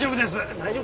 大丈夫？